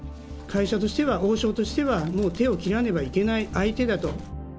会社としては、王将としては、もう手を切らねばいけない相手だと。